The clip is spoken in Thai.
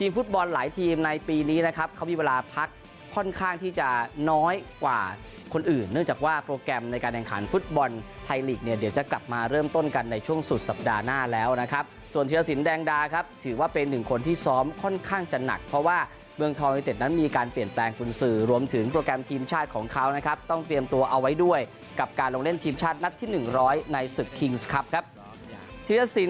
ฟุตบอลหลายทีมในปีนี้นะครับเค้ามีเวลาพักค่อนข้างที่จะน้อยกว่าคน